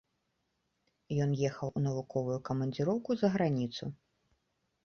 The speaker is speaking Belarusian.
Ён ехаў у навуковую камандзіроўку за граніцу.